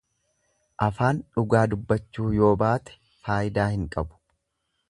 Afaan dhugaa dubbachuu yoo baate faayidaa hin qabu.